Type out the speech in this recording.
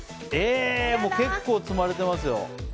結構積まれてますよ。